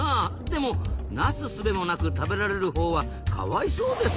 でもなすすべもなく食べられるほうはかわいそうですぞ。